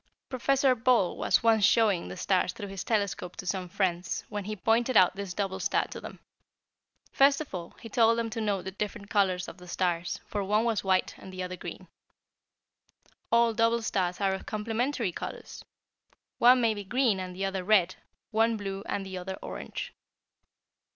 "Professor Ball was once showing the stars through his telescope to some friends, when he pointed out this double star to them. First of all, he told them to note the different colors of the stars, for one was white, the other green. All double stars are of complementary colors. One may be green and the other red, one blue and the other orange.